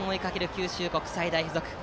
九州国際大付属。